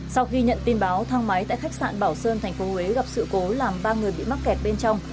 sau khi nhận tin báo thang máy tại khách sạn bảo sơn tp huế gặp sự cố làm ba người bị mắc kẹt bên trong